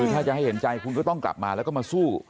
ถ้าจะให้เห็นใจคุณก็ต้องกลับมาแล้วก็มาสู้